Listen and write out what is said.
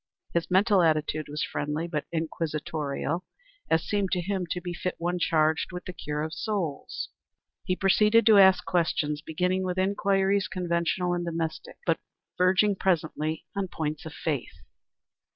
His mental attitude was friendly, but inquisitorial; as seemed to him to befit one charged with the cure of souls. He proceeded to ask questions, beginning with inquiries conventional and domestic, but verging presently on points of faith.